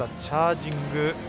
チャージング。